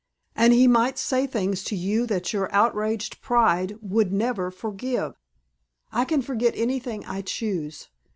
And he might say things to you that your outraged pride would never forgive." "I can forget anything I choose.